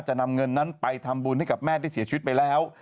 จะนำเงินนั้นไปทำบุญให้กับแม่ที่เสียชีวิตไปแล้ว